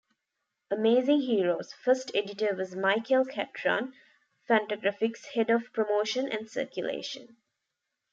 "Amazing Heroes"' first editor was Michael Catron, Fantagraphics' head of promotion and circulation.